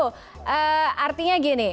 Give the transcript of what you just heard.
pak windu artinya gini